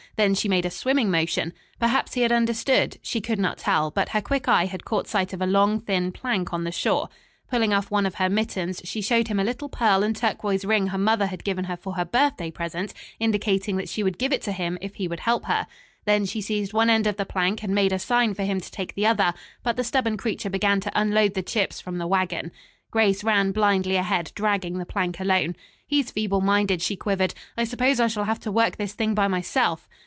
Then she made a swimming motion. Perhaps he had understood. She could not tell, but her quick eye had caught sight of a long, thin plank on the shore. Pulling off one of her mittens, she showed him a little pearl and turquoise ring her mother had given her for a birthday present, indicating that she would give it to him if he would help her. Then she seized one end of the plank and made a sign for him to take the other; but the stubborn creature began to unload the chips from the wagon. Grace ran blindly ahead, dragging the plank alone. "He's feeble minded," she quivered. "I suppose I shall have to work this thing by myself."